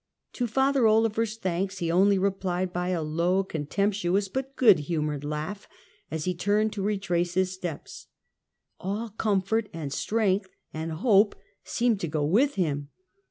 To Father Olever's thanks he only replied by a low, contemptuous but good humored laugh, as he turned to retrace his steps. All comfort and strength and hope seemed to go with him.